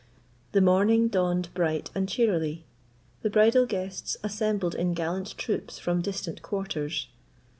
The morning dawned bright and cheerily. The bridal guests assembled in gallant troops from distant quarters.